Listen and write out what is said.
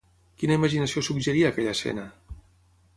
Quina imaginació suggeria aquella escena?